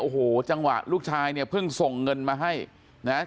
โอ้โหจังหวะลูกชายเนี่ยเพิ่งส่งเงินมาให้นะฮะ